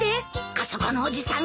あそこのおじさん